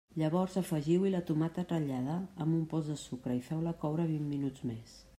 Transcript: Llavors afegiu-hi la tomata ratllada amb un pols de sucre i feu-la coure vint minuts més.